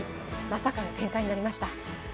まさかの展開になりました。